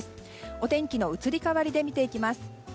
お天気の移り変わりで見ていきます。